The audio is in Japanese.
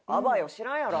知らんやろ？